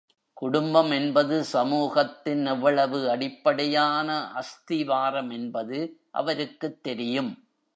குடும்பம் என்பது சமூகத்தின் எவ்வளவு அடிப்படையான அஸ்திவாரம் என்பது அவருக்குத் தெரியும்.